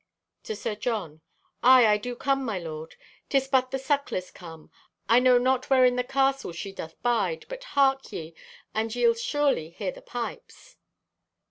(To Sir John) "Aye, I do come, my lord. 'Tis but the sucklers come. I know not where in the castle she doth bide, but hark ye and ye'll surely hear the pipes."